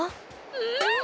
うん！